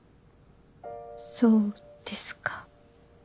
そうですか。